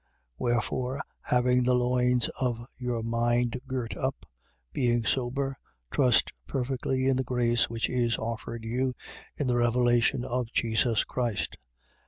1:13. Wherefore, having the loins of your mind girt up, being sober, trust perfectly in the grace which is offered you in the revelation of Jesus Christ.